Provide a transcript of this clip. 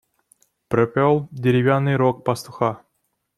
Пропел деревянный рог пастуха.